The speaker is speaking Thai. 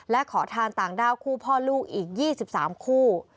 และขอทานต่างด้าวคู่พ่อลูกอีก๒๓คู่